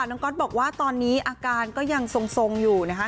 ก๊อตบอกว่าตอนนี้อาการก็ยังทรงอยู่นะคะ